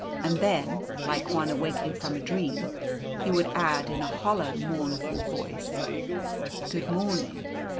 And then, like one awaking from a dream, he would add in a hollow, mournful voice, "Good morning!